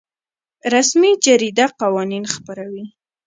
رسمي جریده قوانین خپروي